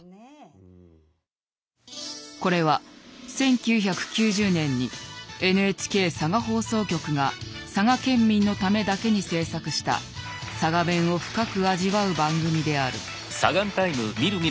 これは１９９０年にＮＨＫ佐賀放送局が佐賀県民のためだけに制作した佐賀弁を深く味わう番組である。